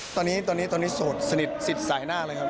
ตอนนี้ตอนนี้โสดสนิทสิทธิ์สายหน้าเลยครับ